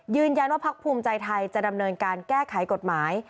ยืนยันว่าภักษ์ภูมิใจไทยจะดำเนินการแก้ไขกฎหมาย